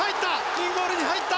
インゴールに入った！